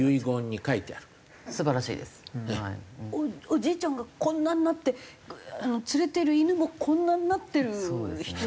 おじいちゃんがこんなになって連れてる犬もこんなになってる人いますよね。